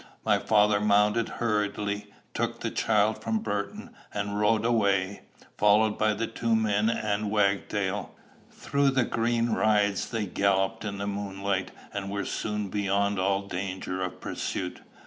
My father mounted hurriedly, took the child from Burton, and rode away, followed by the two men and Wagtail. Through the green rides they galloped in the moonlight, and were soon beyond all danger of pursuit.